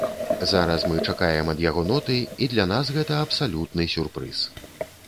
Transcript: Зараз мы чакаем ад яго ноты, і для нас гэта абсалютны сюрпрыз!